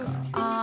あ。